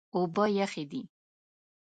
اوبه یخې دي.